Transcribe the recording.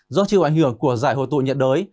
do chiều ảnh hưởng của dạy hồ tụ nhận đới